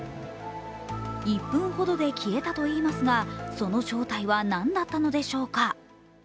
１分ほどで消えたといいますがその正体は何だったのでしょうか？